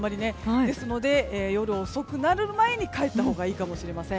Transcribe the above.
ですので夜遅くなる前に帰ったほうがいいかもしれません。